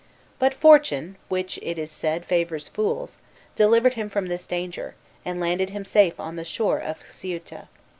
But fortune, which it is said favors fools, delivered him from this danger, and landed him safe on the shore of Ceuta.